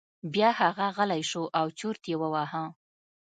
بیا هغه غلی شو او چرت یې وواهه.